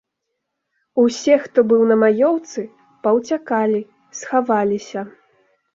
Усе, хто быў на маёўцы, паўцякалі, схаваліся.